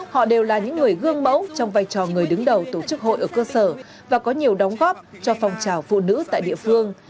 họ đều là những người gương mẫu trong vai trò người đứng đầu tổ chức hội ở cơ sở và có nhiều đóng góp cho phong trào phụ nữ tại địa phương